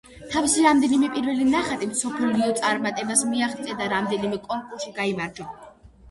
თავისი რამდენიმე პირველი ნახატით მსოფლიო წარმატებას მიაღწია და რამდენიმე კონკურსში გაიმარჯვა.